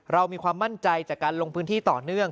เรามีความมั่นใจจากการลงพื้นที่ต่อเนื่อง